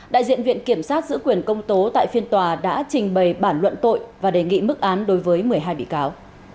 đại diện viện kiểm sát giữ quyền công tố tại phiên tòa đã trình bày bản luận tội và đề nghị mức án đối với một mươi hai bị cáo